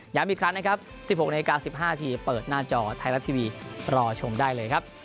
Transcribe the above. ย้ำอีกครั้ง๑๖นาที๑๕นาทีเปิดหน้าจอไทยลักษณ์ทีวีรอชมได้เลยครับ